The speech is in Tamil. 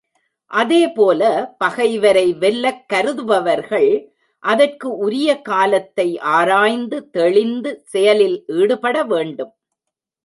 அதே போலப் பகைவரை வெல்லக் கருதுபவர்கள் அதற்கு உரிய காலத்தை ஆராய்ந்து தெளிந்து செயலில் ஈடுபட வேண்டும்.